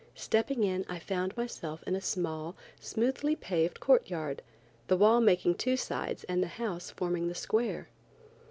Stepping in I found myself in a small, smoothly paved court yard, the wall making two sides and the house forming the square.